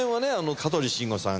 香取慎吾さん